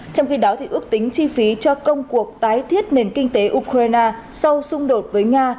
trong khi đó ước tính chi phí cho công cuộc tái thiết nền kinh tế ukraine sau xung đột với nga